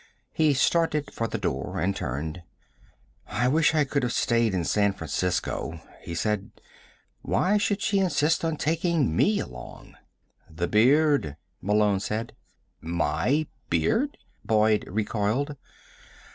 He started for the door and turned. "I wish I could have stayed in San Francisco," he said. "Why should she insist on taking me along?" "The beard," Malone said. "My beard?" Boyd recoiled.